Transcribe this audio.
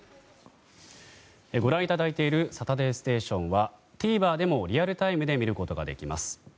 ご覧いただいている「サタデーステーション」はＴＶｅｒでもリアルタイムで見ることができます。